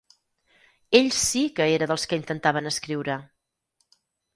Ell sí que era dels que intentaven escriure.